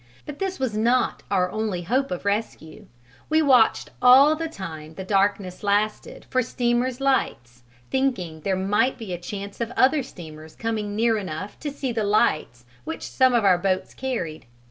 But this was not our only hope of rescue: we watched all the time the darkness lasted for steamers' lights, thinking there might be a chance of other steamers coming near enough to see the lights which some of our boats carried.